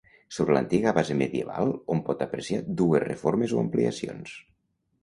Sobre l'antiga base medieval hom pot apreciar dues reformes o ampliacions.